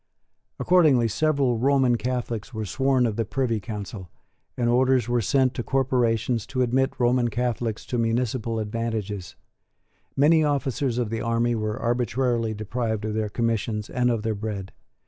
Accordingly several Roman Catholics were sworn of the Privy Council; and orders were sent to corporations to admit Roman Catholics to municipal advantages. Many officers of the army were arbitrarily deprived of their commissions and of their bread.